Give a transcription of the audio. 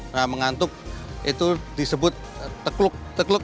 nah mengantuk itu disebut tekluk tekluk